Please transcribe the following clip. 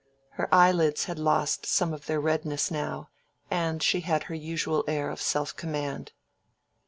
Her eyelids had lost some of their redness now, and she had her usual air of self command.